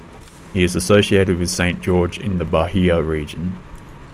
He is associated with Saint George in the Bahia region.